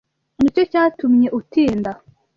Nicyo cyatumye utinda?